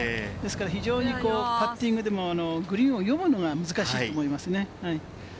非常にパッティングでもグリーンを読むのが難しいと思いますね。